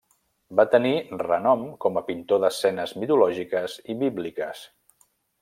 Va tenir renom com a pintor d'escenes mitològiques i bíbliques.